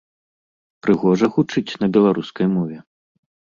Прыгожа гучыць на беларускай мове?